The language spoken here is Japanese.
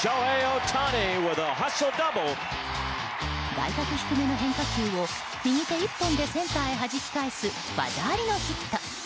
外角低めの変化球を右手一本でセンターへはじき返す技ありのヒット。